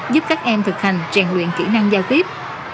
giúp các em thực hành trang luyện kỹ năng gia tiếp